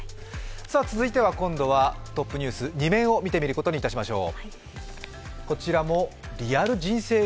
続いては今度は、トップニュース２面を見てみることにしましょう。